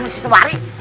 amus si sebarin